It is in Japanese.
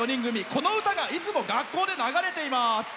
この歌がいつも学校で流れています。